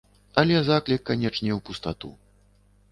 Але заклік, канечне, у пустату.